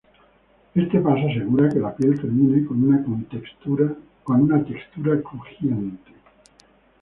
Este paso asegura que la piel termine con una textura crujiente.